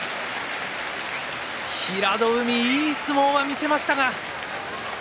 平戸海は、いい相撲は見せました。